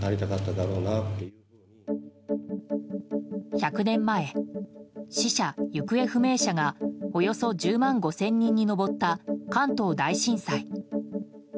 １００年前死者・行方不明者がおよそ１０万５０００人に上った関東大震災。